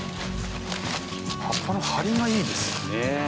葉っぱの張りがいいですね。